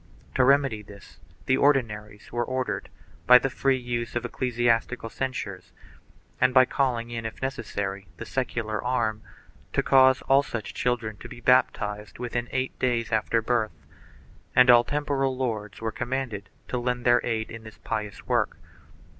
To remedy this the Ordinaries were ordered, by the free use of ecclesiastical censures, and by calling in if necessary the secular arm, to cause all such children to be baptized within eight clays after birth, and all temporal lords were commanded to lend their aid in this pious work.